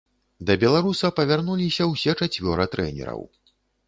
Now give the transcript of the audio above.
Да беларуса павярнуліся ўсе чацвёра трэнераў.